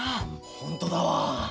本当だわ。